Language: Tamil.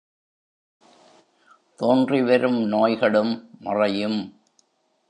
தோன்றிவரும் நோய்களும் மறையும்.